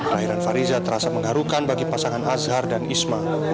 kelahiran fariza terasa mengharukan bagi pasangan azhar dan isma